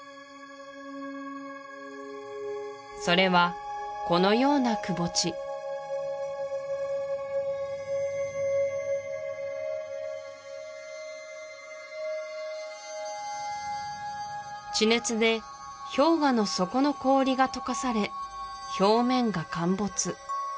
それはこのようなくぼ地地熱で氷河の底の氷が解かされ表面が陥没